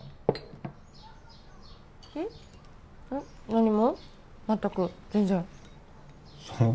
何も全く全然そう？